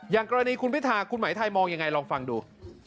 อย่างกรณีคุณพิธาคุณหมายไทยมองยังไงลองฟังดู